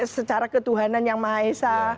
secara ketuhanan yang maha esa